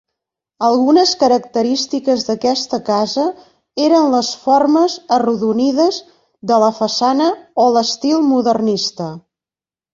Algunes característiques d'aquesta casa eren les formes arrodonides de la façana o l'estil modernista.